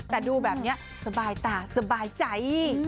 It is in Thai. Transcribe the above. แต่ดูแบบนี้สบายตาสบายใจ